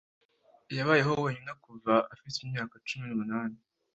yabayeho wenyine kuva afite imyaka cumi n'umunani